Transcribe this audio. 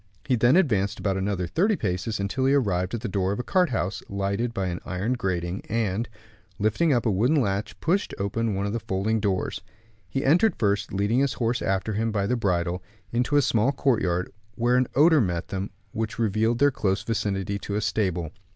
He then advanced about another thirty paces, until he arrived at the door of a cart house, lighted by an iron grating; and, lifting up a wooden latch, pushed open one of the folding doors. He entered first, leading his horse after him by the bridle, into a small courtyard, where an odor met them which revealed their close vicinity to a stable.